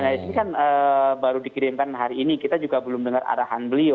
nah ini kan baru dikirimkan hari ini kita juga belum dengar arahan beliau